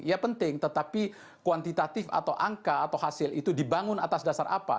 ya penting tetapi kuantitatif atau angka atau hasil itu dibangun atas dasar apa